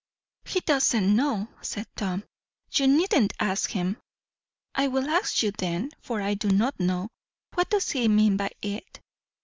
"He doesn't know!" said Tom. "You needn't ask him." "I will ask you then, for I do not know. What does he mean by it?"